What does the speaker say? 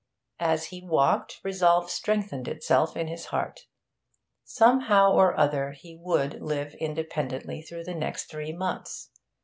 And as he walked resolve strengthened itself in his heart. Somehow or other he would live independently through the next three months.